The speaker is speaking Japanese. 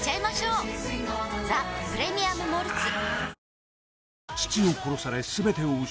「ザ・プレミアム・モルツ」